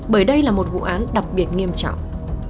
bởi đây là một vụ án đặc biệt nghiêm trọng